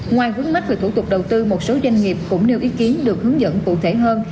ngoài vướng mắt về thủ tục đầu tư một số doanh nghiệp cũng nêu ý kiến được hướng dẫn cụ thể hơn